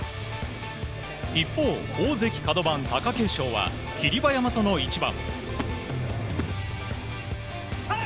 一方、大関カド番・貴景勝は霧馬山との一番。